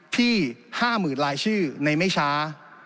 ที่๕หมื่นรายชื่อในไม่ช้า